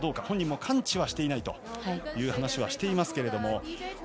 本人も完治はしていないという話はしていますけれども。